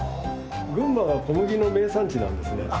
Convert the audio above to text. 群馬は小麦の名産地なんですね。